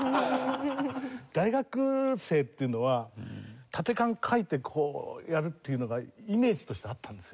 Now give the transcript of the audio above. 大学生っていうのは立て看描いてこうやるっていうのがイメージとしてあったんですよ